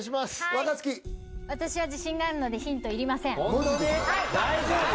若槻私は自信があるのでヒントいりませんホントに？